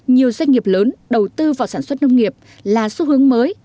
nhiều doanh nghiệp lớn đầu tư vào sản xuất nông nghiệp là xu hướng mới